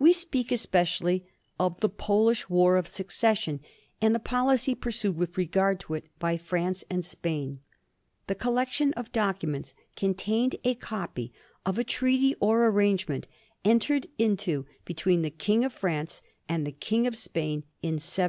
We speak especially of the Polish war of succession and the policy pursued with regard to it by France and Spain. The collection of documents contained a copy of a treaty or arrangement entered into between the King of France and the King of Spain in 1733.